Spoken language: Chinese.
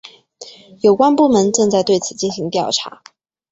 有关部门正在对此进行调查。